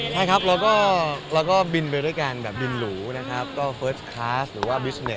เธอว่าก็ได้ชิดกับพี่เบียหรือยังไหม